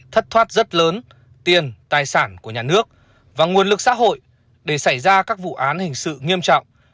thất thoát rất lớn tiền tài sản của nhà nước và nguồn lực xã hội để xảy ra các vụ án hình sự nghiêm trọng